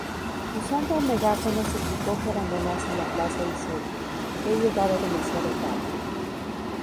Usando un megáfono suplicó que abandonasen la plaza diciendo ""He llegado demasiado tarde.